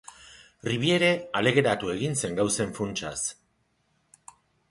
Riviere alegeratu egin zen gauzen funtsaz.